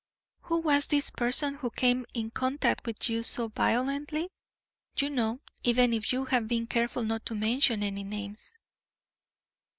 Who was this person who came in contact with you so violently? You know, even if you have been careful not to mention any names."